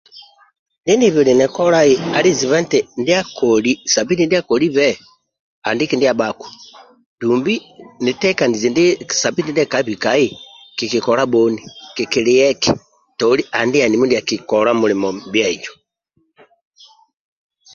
Ndinibilini kolai ali zibe nti ndia akoli sabite ndia kolibe andiki ndia abhaku dumbi nitekenize ndi sabite ndia akabikai kikikola bhoni, kikiliya eki toli andiani mindia akikola mulimo bhia eyo.